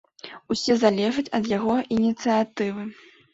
Усе залежыць ад яго ініцыятывы.